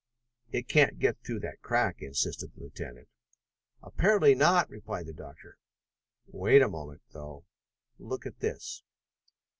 "It can't get through that crack," insisted the lieutenant. "Apparently not," replied the doctor. "Wait a moment, though. Look at this!"